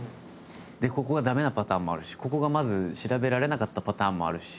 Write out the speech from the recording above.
でここがダメなパターンもあるしここがまず調べられなかったパターンもあるし。